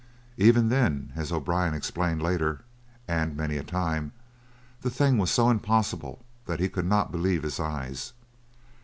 Even then, as O'Brien explained later, and many a time, the thing was so impossible that he could not believe his eyes.